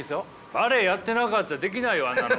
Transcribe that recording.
バレエやってなかったらできないよあんなの。